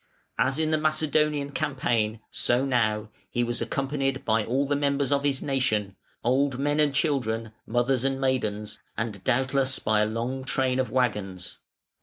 As in the Macedonian campaign, so now, he was accompanied by all the members of his nation, old men and children, mothers and maidens, and doubtless by a long train of waggons.